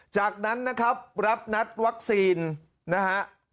จากนั้นนะครับรับนัดวัคซีนนะฮะ